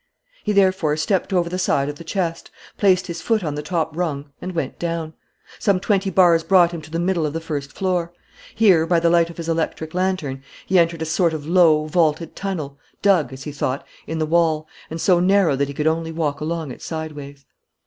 He therefore stepped over the side of the chest, placed his foot on the top rung and went down. Some twenty bars brought him to the middle of the first floor. Here, by the light of his electric lantern, he entered a sort of low, vaulted tunnel, dug, as he thought, in the wall, and so narrow that he could only walk along it sideways.